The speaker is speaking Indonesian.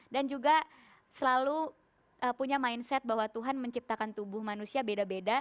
dan juga selalu punya mindset bahwa tuhan menciptakan tubuh manusia beda beda